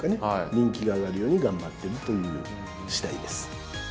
人気が上がるように頑張ってるという次第です。